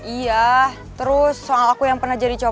iya terus soal aku yang pernah jadi cowok